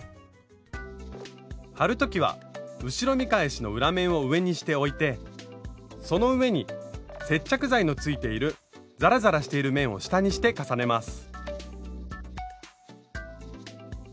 貼る時は後ろ見返しの裏面を上にして置いてその上に接着剤のついているざらざらしている面を下にして重ねます。